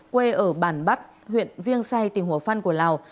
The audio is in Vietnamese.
quê ở bản bắt huyện viêng sai tỉnh hồ phăn của lào